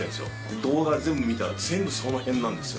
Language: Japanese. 動画、全部見たら全部そのへんなんですよ。